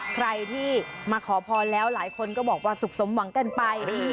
ใครที่มาขอพรแล้วหลายคนก็บอกว่าสุขสมหวังกันไป